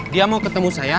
dia mau ketemu saya